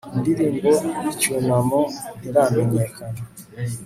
indirimbo y'icyunamo ntiramenyekana